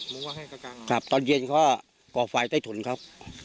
มุ้งก็ให้เค้ากางออกครับตอนเย็นเค้ากอบไฟได้ถุนครับ